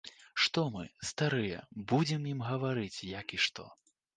Што мы, старыя, будзем ім гаварыць, як і што.